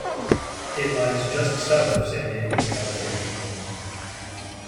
It lies just south of San Diego, California.